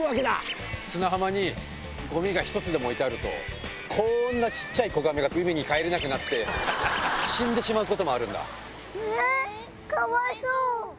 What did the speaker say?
砂浜にごみが１つでも置いてあると、こーんなちっちゃい子ガメが海に帰れなくなって、死んでしまうこえー、かわいそう。